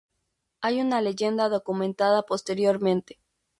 Hay una leyenda documentada posteriormente.